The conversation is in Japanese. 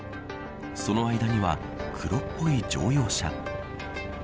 その間には黒っぽい乗用車。